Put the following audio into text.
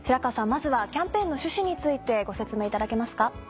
まずはキャンペーンの趣旨についてご説明いただけますか？